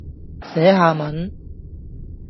寫下文